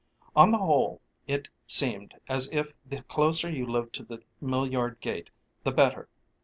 On the whole, it seemed as if the closer you lived to the mill yard gate, the better.